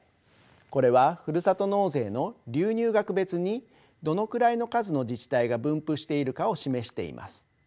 これはふるさと納税の流入額別にどのくらいの数の自治体が分布しているかを示しています。